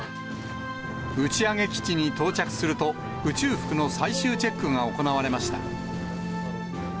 打ち上げ基地に到着すると、宇宙服の最終チェックが行われました。